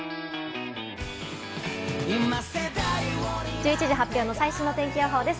１１時発表の最新の天気予報です。